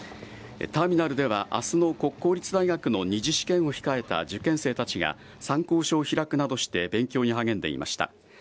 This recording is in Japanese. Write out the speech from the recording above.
ターミナルでは明日の国公立大学の２次試験を控えた受験生たちが参考書を開くなどして勉強に励んでいました。